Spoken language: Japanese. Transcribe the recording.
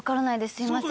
すいません。